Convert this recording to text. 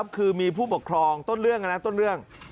คือมีผู้ปกครองต้นเรื่องต้นเรื่อง